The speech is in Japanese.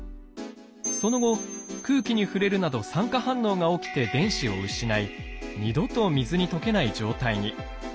その後空気に触れるなど酸化反応が起きて電子を失い二度と水に溶けない状態に。